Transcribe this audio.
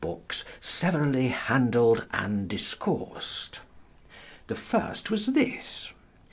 books severally handled and discoursed. The first was this.